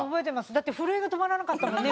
だって震えが止まらなかったもんね